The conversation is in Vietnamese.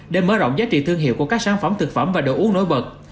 để mở rộng giá trị thương hiệu của các sản phẩm thực phẩm và đồ uống nổi bật